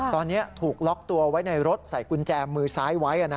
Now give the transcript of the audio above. ตอนนี้ถูกล็อกตัวไว้ในรถใส่กุญแจมือซ้ายไว้